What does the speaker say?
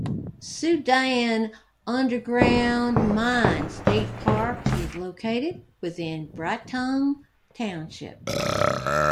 Soudan Underground Mine State Park is located within Breitung Township.